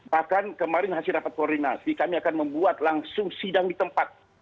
bahkan kemarin hasil rapat koordinasi kami akan membuat langsung sidang di tempat